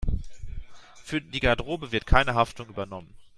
Für die Garderobe wird keine Haftung übernommen.